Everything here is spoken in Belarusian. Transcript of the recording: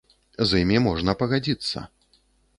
З імі можна пагадзіцца.